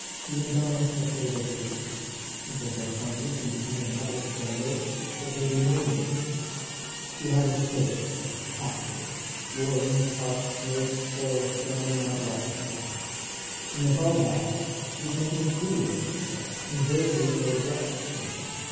She had done us the favour to exist, and for her kindness in becoming a public scandal they paid her millions; she had estates and castles, warrens, parks, lakes, forests, and I know not what besides, and with all that she was making a fool of herself, and verses were addressed to her!